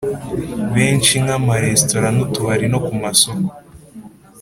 Benshi nka amaresitora n utubari no ku masoko